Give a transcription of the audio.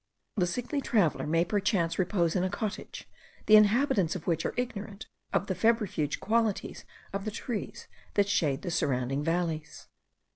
The sickly traveller may perchance repose in a cottage, the inhabitants of which are ignorant of the febrifuge qualities of the trees that shade the surrounding valleys.